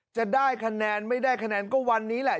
จะได้คะแนนไม่ได้คะแนนก็วันนี้แหละ